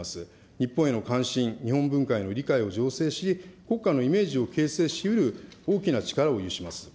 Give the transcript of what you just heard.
日本への関心、日本文化への理解を醸成し、国家のイメージを形成しうる大きな力を有します。